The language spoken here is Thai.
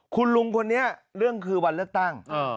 คุณลุงคนนี้เรื่องคือวันเลือกตั้ง